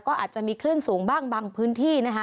ก็อาจจะมีคลื่นสูงบ้างบางพื้นที่นะคะ